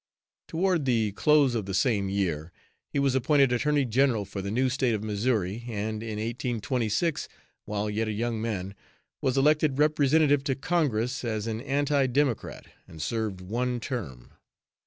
Toward the close of the same year, he was appointed Attorney General for the new State of Missouri, and in 1826, while yet a young man, was elected representative to congress as an anti Democrat, and served one term.